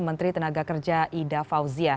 menteri tenaga kerja ida fauzia